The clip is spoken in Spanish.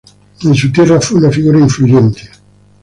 En su tiempo fue una figura influyente.